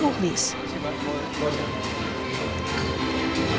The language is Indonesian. terima kasih banyak banyak